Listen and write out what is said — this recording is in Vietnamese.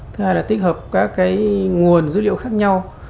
thứ hai là tích hợp các cái nguồn dữ liệu khác nhau